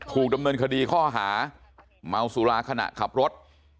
ถูกดำเนินคดีข้อหาเมาสุราขณะขับรถ